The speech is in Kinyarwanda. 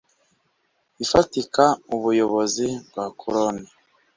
ifatika Ubuyobozi bwa Koroni